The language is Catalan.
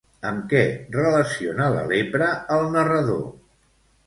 Amb què relaciona la lepra el narrador?